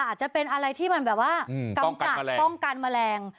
อาจจะเป็นอะไรที่มันแบบว่ากำจัดป้องกันแมลง